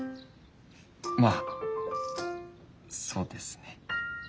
まあそうですね。